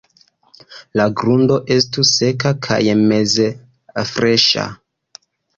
La grundo estu seka kaj meze freŝa.